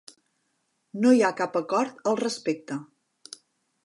No hi ha cap acord al respecte.